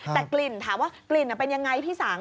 แต่กลิ่นถามว่ากลิ่นเป็นยังไงพี่สัง